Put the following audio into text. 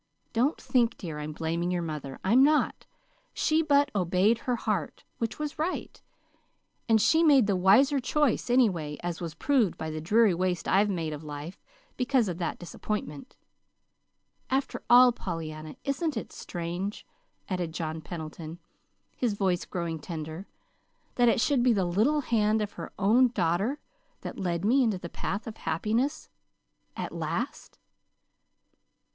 Don't think, dear, I'm blaming your mother. I'm not. She but obeyed her heart, which was right; and she made the wiser choice, anyway, as was proved by the dreary waste I've made of life because of that disappointment. After all, Pollyanna, isn't it strange," added John Pendleton, his voice growing tender, "that it should be the little hand of her own daughter that led me into the path of happiness, at last?"